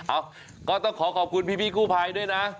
เอ้าก็ต้องขอขอบคุณพี่กู้ภัยด้วยนะ